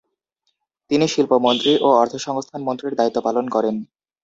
তিনি শিল্পমন্ত্রী ও অর্থসংস্থান মন্ত্রীর দায়িত্ব পালন করেন।